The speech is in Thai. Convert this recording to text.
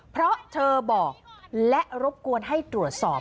เพราะเธอบอกและรบกวนให้ตรวจสอบ